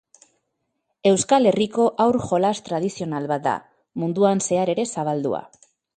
Euskal Herriko haur-jolas tradizional bat da, munduan zehar ere zabaldua.